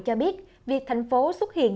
cho biết việc thành phố xuất hiện